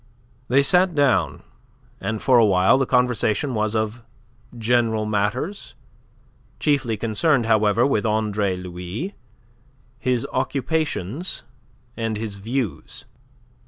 They sat down, and for a while the conversation was of general matters, chiefly concerned, however, with Andre Louis, his occupations and his views.